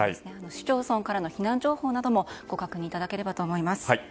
市町村からの避難情報などもご確認いただければと思います。